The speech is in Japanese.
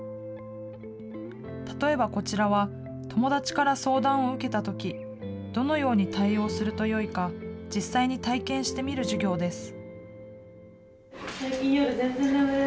例えばこちらは、友達から相談を受けたとき、どのように対応するとよいか、実際に体験してみる授業です。